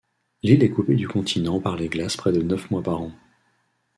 L'île est coupée du continent par les glaces près de neuf mois par an.